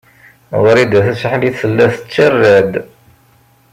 Wrida Tasaḥlit tella tettarra-d.